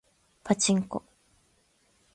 パチンコ